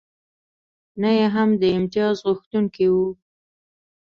نه یې هم د امتیازغوښتونکی و.